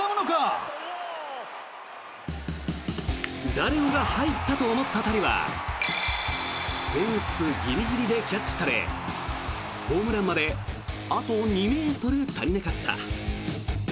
誰もが入ったと思った当たりはフェンスギリギリでキャッチされホームランまであと２ｍ足りなかった。